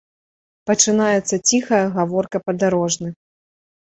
Пачынаецца ціхая гаворка падарожных.